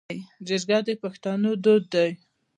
جرګه د پښتنو دود دی